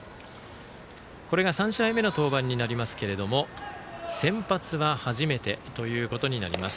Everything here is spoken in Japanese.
これが３試合目の登板になりますが先発は初めてということになります。